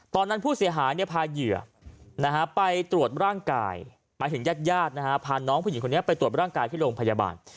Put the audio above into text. ตอนนั้นผู้เสียหายพาเหยื่อไปตรวจร่างกายหมายถึงญาติญาติพาน้องผู้หญิงคนนี้ไปตรวจร่างกายที่โรงพยาบาล